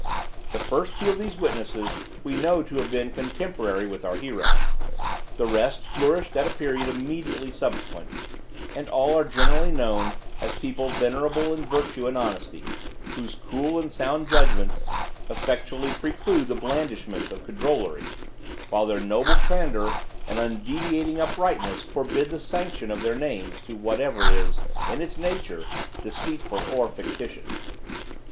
The first two of these witnesses we know to have been contemporary with our hero; the rest flourished at a period immediately subsequent; and all are generally known as people venerable in virtue and honesty, whose cool and sound judgments effectually preclude the blandishments of cajolery, while their noble candor and undeviating uprightness forbid the sanction of their names to whatever is, in its nature, deceitful or fictitious.